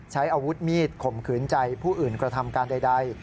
ใช้อาวุธมีดข่มขืนใจผู้อื่นกระทำการใด